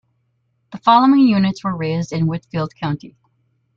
The following units were raised in Whitfield County.